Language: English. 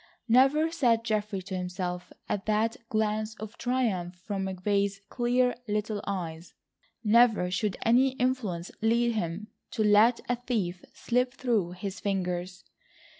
Never, said Geoffrey to himself, at that glance of triumph from McVay's clear little eyes, never should any influence lead him to let a thief slip through his fingers.